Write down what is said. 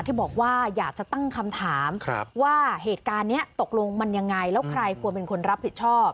ที่บอกว่าอยากจะตั้งคำถามว่าเหตุการณ์นี้ตกลงมันยังไงแล้วใครควรเป็นคนรับผิดชอบ